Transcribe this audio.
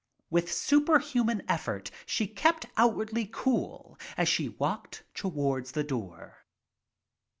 With super human effort she kept out wardly cool as she walked towards the door.